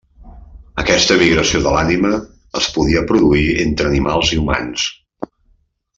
Aquesta migració de l'ànima es podia produir entre animals i humans.